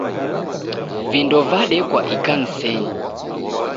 Vindo vadekwa ikanisenyi